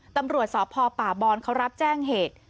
ตำรวจสพป่าบอนเขารับแจ้งเหตุ